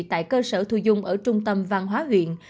tại cơ sở thu dung ở trung tâm văn hóa huyện